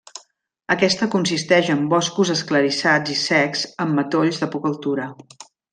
Aquesta consisteix en boscos esclarissats i secs amb matolls de poca altura.